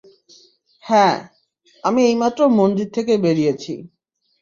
হ্যাঁ, আমি এইমাত্র মন্দির থেকে বেরিয়েছি।